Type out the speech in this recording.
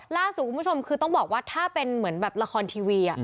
ล่าสุดคุณผู้ชมคือต้องบอกว่าถ้าเป็นเหมือนแบบละครทีวี